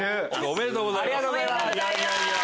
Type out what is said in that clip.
おめでとうございます！